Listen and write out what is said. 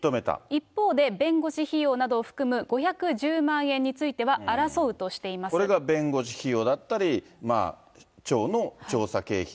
一方で弁護士費用などを含む５１０万円については争うとしてこれが弁護士費用だったり、町の調査経費。